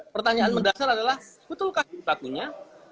pertanyaan mendasar adalah betulkah kita punya